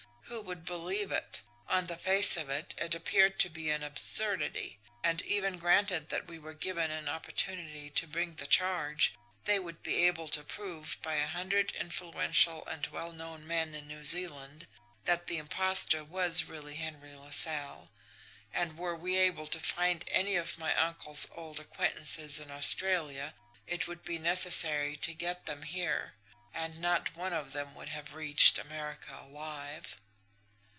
Who would believe it! On the face of it, it appeared to be an absurdity. And even granted that we were given an opportunity to bring the charge, they would be able to prove by a hundred influential and well known men in New Zealand that the impostor was really Henry LaSalle; and were we able to find any of my uncle's old acquaintances in Australia, it would be necessary to get them here and not one of them would have reached America alive.